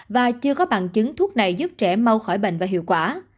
và chưa có bằng chứng thuốc này giúp trẻ mau khỏi bệnh và hiệu quả